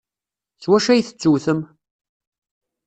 S wacu ay tettewtem?